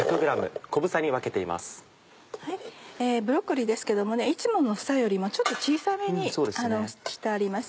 ブロッコリーですけどもいつもの房よりもちょっと小さめにしてあります。